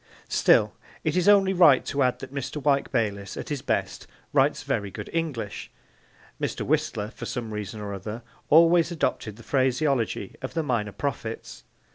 Still, it is only right to add that Mr. Wyke Bayliss, at his best, writes very good English. Mr. Whistler, for some reason or other, always adopted the phraseology of the minor prophets.